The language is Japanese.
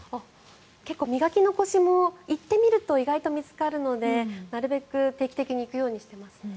結構磨き残しも行ってみると意外と見つかるのでなるべく定期的に行くようにしてますね。